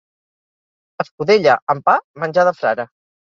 Escudella amb pa, menjar de frare.